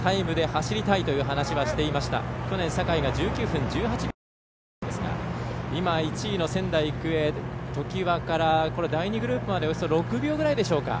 去年、酒井が１９分１８秒というタイムだったんですが今、１位の仙台育英、常磐から第２グループまでおよそ６秒ぐらいでしょうか。